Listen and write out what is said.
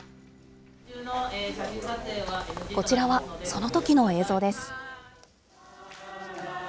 こちらはそのときの映像です。